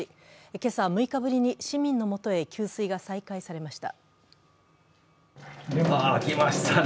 今朝、６日ぶりに市民のもとへ給水が再開されました。